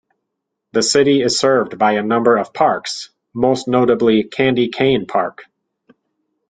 The city is served by a number of parks, most notably Candy Cane Park.